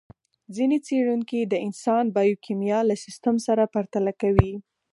ځينې څېړونکي د انسان بیوکیمیا له سیستم سره پرتله کوي.